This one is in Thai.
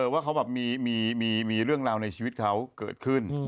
ว่าเค้าเป็นอายุการนะครับ